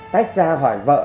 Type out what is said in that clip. tách ra hỏi vợ